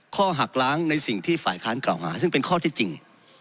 หักล้างในสิ่งที่ฝ่ายค้านกล่าวหาซึ่งเป็นข้อที่จริง